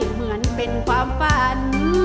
เหมือนเป็นความฝัน